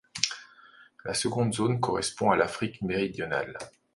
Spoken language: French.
La seconde zone correspond à l'Afrique méridionale.